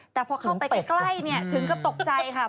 แต่พอเข้าไปใกล้ถึงกับตกใจค่ะ